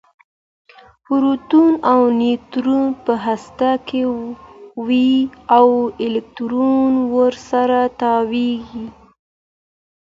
پروټون او نیوټرون په هسته کې وي او الکترون ورڅخه تاویږي